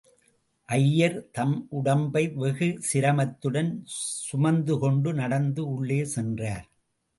ஐயர் தம் உடம்பை வெகு சிரமத்துடன் சுமந்துகொண்டு நடந்து உள்ளே சென்றார்.